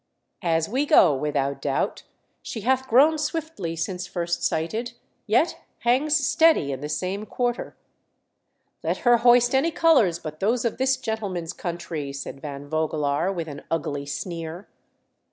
As we go, without doubt. She hath grown swiftly since first sighted, yet hangs steady in the same quarter." " Let her hoist any colours but those of this gentleman's country !" said Van Vogelaar, with an ugly sneer.